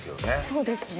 そうですね。